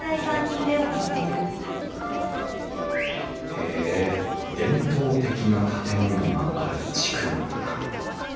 へえ伝統的な建物がある地区なんだな。